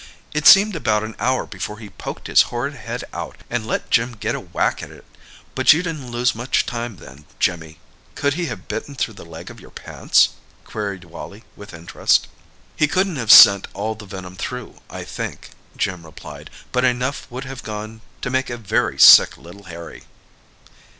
"It seemed about an hour before he poked his horrid head out and let Jim get a whack at it. But you didn't lose much time, then, Jimmy!" "Could he have bitten through the leg of your pants?" queried Wally, with interest. "He couldn't have sent all the venom through, I think," Jim replied. "But enough would have gone to make a very sick little Harry."